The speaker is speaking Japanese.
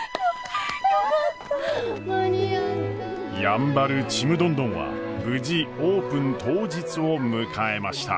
やんばるちむどんどんは無事オープン当日を迎えました。